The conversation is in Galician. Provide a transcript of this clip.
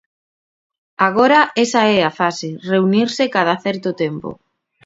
Agora ese é a fase, reunirse cada certo tempo.